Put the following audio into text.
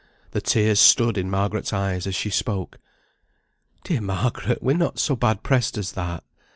The tears stood in Margaret's eyes as she spoke. "Dear Margaret, we're not so bad pressed as that."